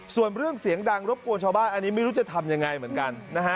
ส่วนเรื่องเสียงดังรบกวนชาวบ้านอันนี้ไม่รู้จะทำยังไงเหมือนกันนะฮะ